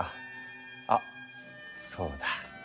あっそうだ。